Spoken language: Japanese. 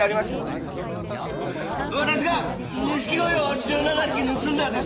私が錦鯉を１７匹盗んだんです。